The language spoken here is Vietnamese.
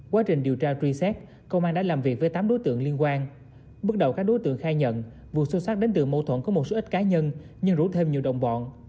quá trình điều tra truy xét công an đã làm việc với tám đối tượng liên quan bước đầu các đối tượng khai nhận vụ sâu sắc đến từ mâu thuẫn có một số ít cá nhân nhưng rủ thêm nhiều đồng bọn